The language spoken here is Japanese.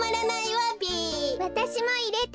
わたしもいれて。